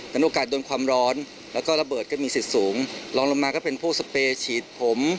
โอกาสโดนความร้อนแล้วก็ระเบิดก็มีสิทธิ์สูงลองลงมาก็เป็นพวกสเปรย์ฉีดผม